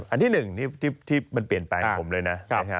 อันที่๑นี่ที่มันเปลี่ยนแปลงผมเลยนะ